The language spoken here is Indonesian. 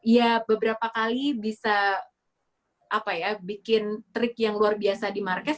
ya beberapa kali bisa bikin trik yang luar biasa di marquez